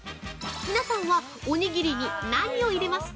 皆さんは、おにぎりに何を入れますか？